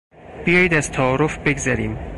بیایید از تعارف بگذریم.